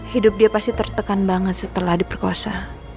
hidup dia pasti tertekan banget setelah diperkosa